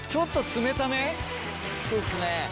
そうですね。